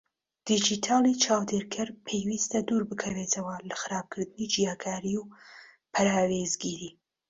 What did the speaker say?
دیجیتاڵی چاودێرکەر پێویستە دووربکەوێتەوە لە خراپترکردنی جیاکاری و پەراوێزگیری؛